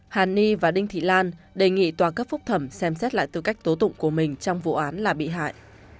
hàn ni và đinh thị lan đề nghị tòa cấp phúc thẩm xem xét lại tư cách tố tụng của mình trong vụ án là bị hại